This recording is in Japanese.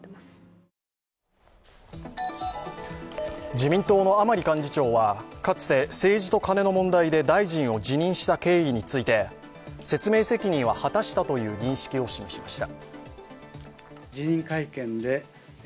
自民党の甘利幹事長はかつて政治とカネの問題で大臣を辞任した経緯について、説明責任は果たしたという認識を示しました。